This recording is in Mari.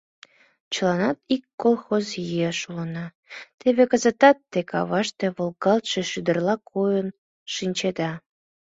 Чыланат ик колхоз еш улына, теве кызытат те каваште волгалтше шӱдырла койын шинчеда.